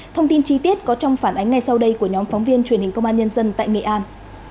thông tin chi tiết có trong phản ánh ngay sau đây của nhóm phóng viên truyền hình công an nhân dân tại nghệ an